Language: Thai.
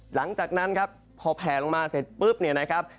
หลังจากนั้นครับพอแผลลงมาเสร็จปุ๊บเนี่ยนะครับ